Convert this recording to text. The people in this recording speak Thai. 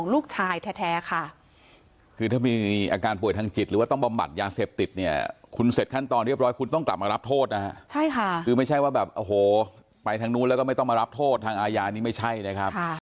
ลูกชายแท้ค่ะคือถ้ามีอาการป่วยทางจิตหรือว่าต้องบำบัดยาเสพติดเนี่ยคุณเสร็จขั้นตอนเรียบร้อยคุณต้องกลับมารับโทษนะฮะใช่ค่ะคือไม่ใช่ว่าแบบโอ้โหไปทางนู้นแล้วก็ไม่ต้องมารับโทษทางอาญานี่ไม่ใช่นะครับ